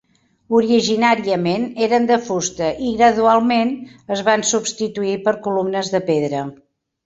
Originàriament eren de fusta i gradualment es van substituir per columnes de pedra.